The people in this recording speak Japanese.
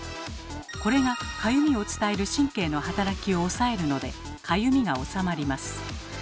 これがかゆみを伝える神経の働きを抑えるのでかゆみがおさまります。